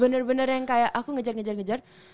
bener bener yang kayak aku ngejar ngejar ngejar